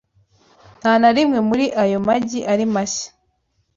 Nta na rimwe muri ayo magi ari mashya.